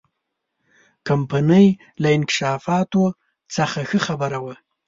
کمپنۍ له انکشافاتو څخه ښه خبره وه.